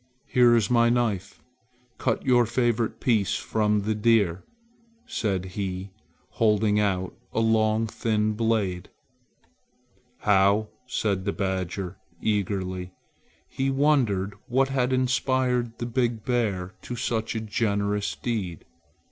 Here is my knife. Cut your favorite pieces from the deer," said he, holding out a long thin blade. "How!" said the badger eagerly. He wondered what had inspired the big bear to such a generous deed.